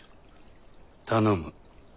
頼む。